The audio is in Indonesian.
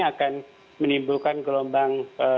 akan menimbulkan gelombangnya